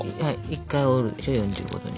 １回折るでしょ４５度に。